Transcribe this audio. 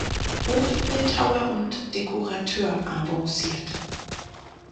Hof-Bildhauer und Dekorateur avancierte.